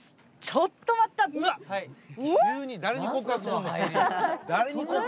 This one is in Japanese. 「ちょっと待った」って何？